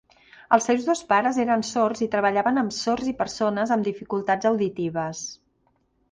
Els seus dos pares eren sords i treballaven amb sords i persones amb dificultats auditives.